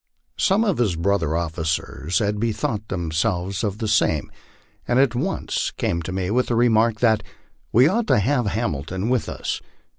Some of his brother officers had bethought themselves of the same, and at once came to me with the remark that " we ought to have Ham ilton with us."